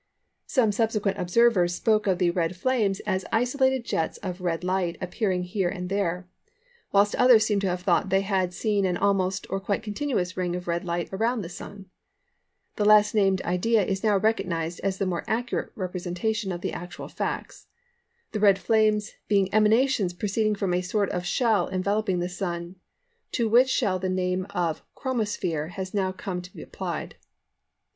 Some subsequent observers spoke of the Red Flames as isolated jets of red light appearing here and there; whilst others seem to have thought they had seen an almost or quite continuous ring of red light around the Sun. The last named idea is now recognised as the more accurate representation of the actual facts, the Red Flames being emanations proceeding from a sort of shell enveloping the Sun, to which shell the name of "Chromosphere" has now come to be applied.